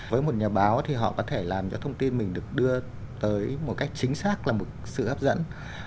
với một nhà báo thì họ có thể làm cho thông tin mình được đưa tới một cách chính xác là một sự hấp dẫn